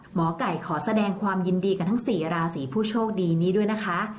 หมอไก่ขอแสดงความยินดีกับทั้ง๔ราศีผู้โชคดีนี้ด้วยนะคะ